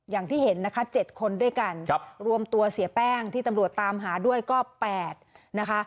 อย่างที่เห็นนะคะ๗คนด้วยกันรวมตัวเสียแป้งที่ตำรวจตามหาด้วยก็๘นะคะ